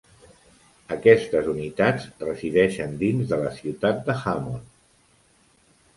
Aquestes unitats resideixen dins de la ciutat de Hammond.